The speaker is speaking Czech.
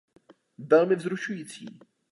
Velmi vzrušující.